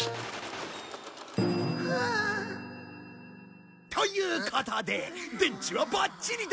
ハア。ということで電池はバッチリだ！